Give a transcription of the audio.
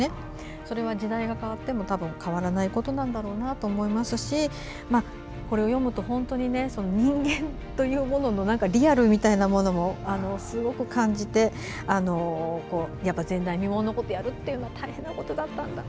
それは時代が変わってもたぶん変わらないことだと思いますし、これを読むと人間というもののリアルみたいなものもすごく感じて、前代未聞のことをやるっていうのは大変なことだったと。